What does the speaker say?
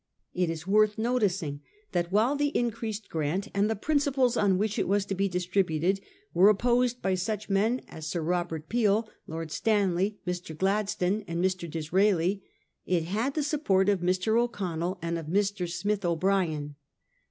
It is worth noticing that while the in creased grant and the principles on which it was to be distributed were opposed by such men as Sir Robert Peel, Lord Stanley, Mr. Gladstone, and Mr. Disraeli, it had the support of Mr. O'Connell and of Mr. Smith O'Brien.